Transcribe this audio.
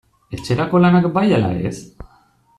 Etxerako lanak bai ala ez?